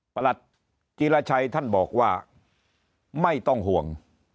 ประหลัดจีรชัยท่านบอกว่าไม่ต้องห่วง